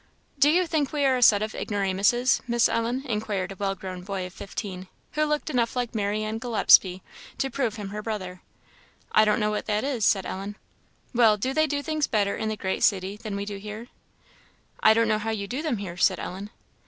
"Do you think we are a set of ignoramuses, Miss Ellen?" inquired a well grown boy of fifteen, who looked enough like Marianne Gillespie to prove him her brother. "I don't know what that is," said Ellen. "Well, do they do things better in the great city than we do here?" "I don't know how you do them here," said Ellen.